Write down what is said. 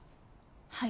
はい。